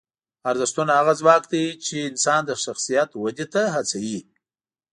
ارزښتونه هغه ځواک دی چې انسان د شخصیت ودې ته هڅوي.